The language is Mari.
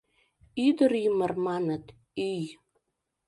Ӱдыр ӱмыр, маныт, ӱй.